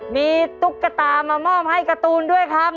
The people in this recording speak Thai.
มีตุ๊กตามามอบให้การ์ตูนด้วยครับ